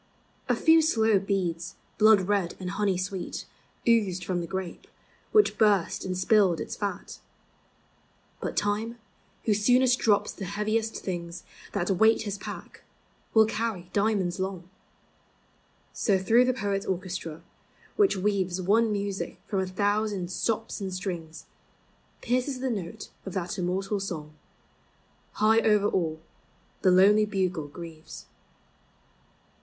A few slow beads, blood red and honey sweet, Oozed from the grape, which burst and spilled its fat. But Time, who soonest drops the heaviest thin That weight his pack, will carry diamonds Long. So through the poets' orchestra, which v One music from a thousand stops and strings, 2U POEMS OF SENTIMENT. Pierces the note of that immortal song :" High over all the lonely bugle grieves."